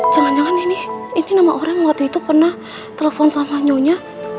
jangan jangan ini nama orang waktu itu pernah telepon sama nyonya